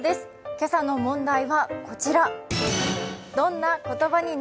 今朝の問題はこちら。